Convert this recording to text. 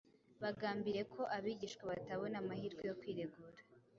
Bagambiriye ko abigishwa batabona amahirwe yo kwiregura